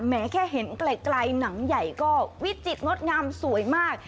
แม้แค่เห็นไกลหนังใหญ่ก็วิจิตรงดงามสวยมาก